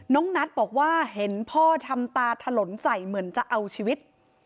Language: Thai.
นัทบอกว่าเห็นพ่อทำตาถล่นใส่เหมือนจะเอาชีวิต